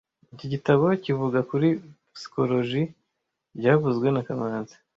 Iki gitabo kivuga kuri psychologizoa byavuzwe na kamanzi